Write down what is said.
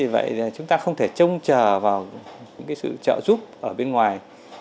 vậy thì chúng ta không thể trông chờ vào sự trợ giúp ở bên ngoài